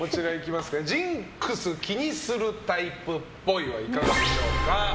ジンクス気にするタイプっぽいはいかがでしょうか。